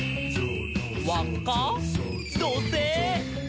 「わっか？どせい！」